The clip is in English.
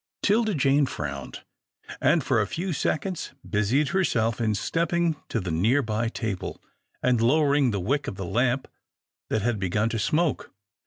'Tilda Jane frowned, and for a few seconds busied herself in stepping to the near by table, and lowering the wick of the lamp that had begun to smoke.